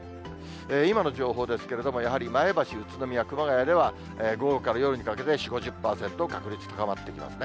今の情報ですけれども、やはり前橋、宇都宮、熊谷では、午後から夜にかけて４、５０％、確率高まってきますね。